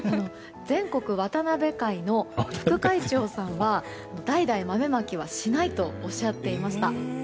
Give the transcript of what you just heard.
全国渡辺会の副会長さんは代々、豆まきはしないとおっしゃっていました。